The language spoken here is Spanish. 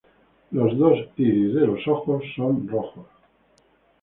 En ambos iris de sus ojos es rojo.